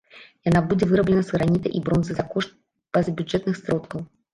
Яна будзе выраблена з граніта і бронзы за кошт пазабюджэтных сродкаў.